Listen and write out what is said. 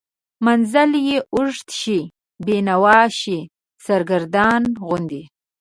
منزل یې اوږد شي، بینوا شي، سرګردانه غوندې